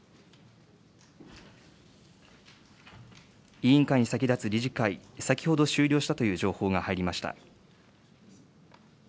委員会に先だつ理事会、先ほど終了したという情報が入りました。